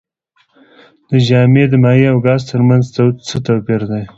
د جامد مایع او ګاز ترمنځ څه توپیر دی.